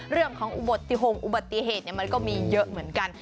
เรื่องของอุบัติหงอุบัติเหตุมันก็มีเยอะเหมือนกัน